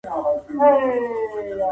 خصوصي سکتور د تولید کمیت ډیروي.